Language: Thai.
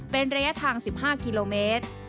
เป็นระยะทาง๑๕กิโลเมตร